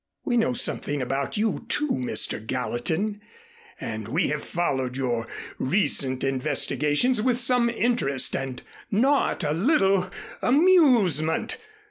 We know something about you, too, Mr. Gallatin, and we have followed your recent investigations with some interest and not a little amusement.